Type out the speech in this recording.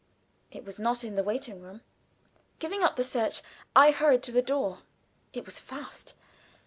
It was not in the waiting room. Giving up the search I hurried to the door: it was fast.